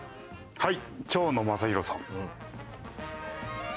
はい！